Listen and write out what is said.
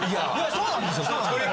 そうなんです。